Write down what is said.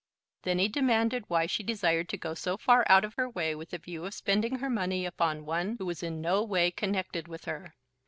Then he demanded why she desired to go so far out of her way with the view of spending her money upon one who was in no way connected with her.